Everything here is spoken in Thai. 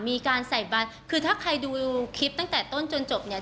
มีการใส่บานคือถ้าใครดูคลิปตั้งแต่ต้นจนจบเนี่ย